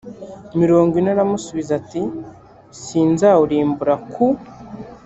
mirongo ine aramusubiza ati sinzawurimbura ku